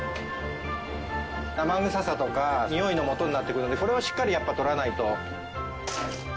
生臭さとかにおいのもとになってくるのでこれをしっかりやっぱ取らないと。